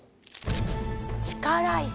力石。